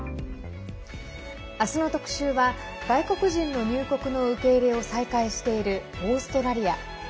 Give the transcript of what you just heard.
あすの特集は外国人の入国の受け入れを再開しているオーストラリア。